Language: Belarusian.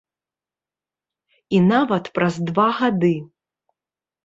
І нават праз два гады.